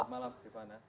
selamat malam gimana